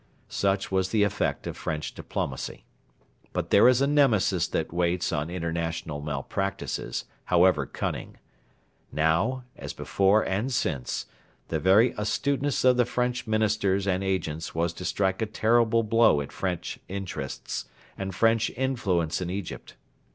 Such was the effect of French diplomacy. But there is a Nemesis that waits on international malpractices, however cunning. Now, as before and since, the very astuteness of the French Ministers and agents was to strike a terrible blow at French interests and French influence in Egypt.